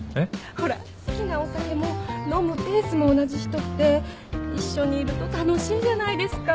ほら好きなお酒も飲むペースも同じ人って一緒にいると楽しいじゃないですか。